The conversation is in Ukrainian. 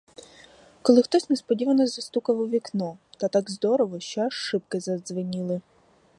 Коли хтось несподівано застукав у вікно, та так здорово, що аж шибки задзвеніли.